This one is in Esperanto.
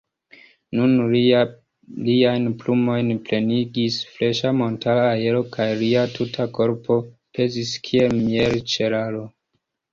Nun liajn pulmojn plenigis freŝa montara aero kaj lia tuta korpo pezis kiel mielĉelaro.